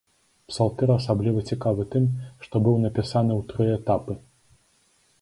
Псалтыр асабліва цікавы тым, што быў напісаны ў тры этапы.